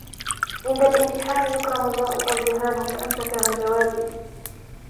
عِنْدَ الِامْتِحَانِ يُكْرَمُ الْمَرْءُ أَوْ يُهَانُ ؟ فَأَمْسَكَ عَنْ جَوَابِي